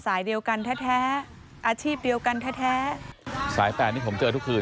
เดียวกันแท้แท้อาชีพเดียวกันแท้แท้สายแปดนี่ผมเจอทุกคืน